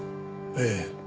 ええ。